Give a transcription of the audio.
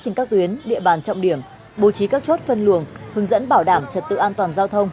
trên các tuyến địa bàn trọng điểm bố trí các chốt phân luồng hướng dẫn bảo đảm trật tự an toàn giao thông